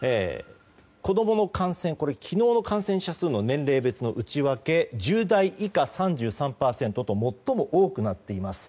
子供の感染昨日の感染者数の年齢別の内訳１０代以下、３３％と最も多くなっています。